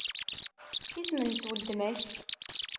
Isem-nnes weltma-k?